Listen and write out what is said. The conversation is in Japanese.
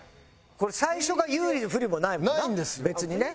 これ最初が有利不利もないもんな別にね。